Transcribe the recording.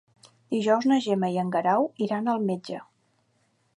Dijous na Gemma i en Guerau iran al metge.